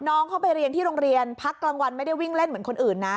น้องเขาไปเรียนที่โรงเรียนพักกลางวันไม่ได้วิ่งเล่นเหมือนคนอื่นนะ